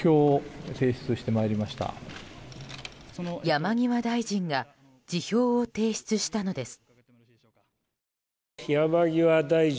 山際大臣が辞表を提出したのです。